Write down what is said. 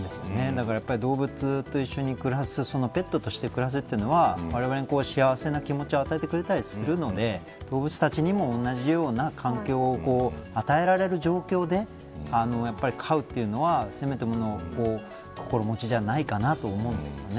だから動物と一緒に暮らすペットとして暮らすというのはわれわれに幸せな気持ちを与えてくれたりするので動物たちも同じような環境を与えられる状況で飼うというのは、せめてもの心持ちじゃないかなと思うんですけどね。